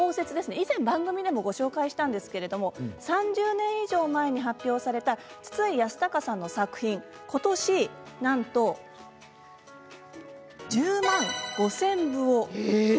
以前番組でもご紹介したんですけども３０年以上前に発表された筒井康隆さんの作品ことしなんと１０万５０００部を。